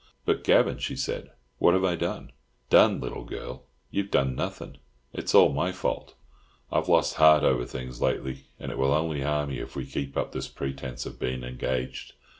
"But, Gavan," she said, "what have I done?" "Done, little girl? you've done nothing. It's all my fault. I've lost heart over things lately, and it will only harm you if we keep up this pretence of being engaged.